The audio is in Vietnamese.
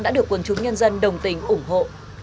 đã được quần chúng nhân dân đồng tình ủng hộ